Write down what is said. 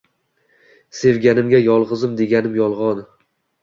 Sevganimga yolgizim deganim yolgon